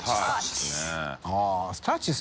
スターチス」